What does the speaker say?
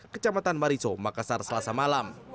kecamatan mariso makassar selasa malam